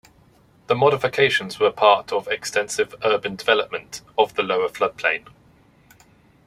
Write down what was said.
The modifications were part of extensive urban development of the lower floodplain.